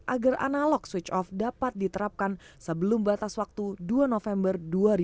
agar analog switch off dapat diterapkan sebelum batas waktu dua november dua ribu dua puluh